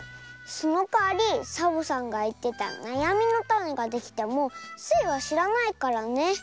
そのかわりサボさんがいってたなやみのタネができてもスイはしらないからね。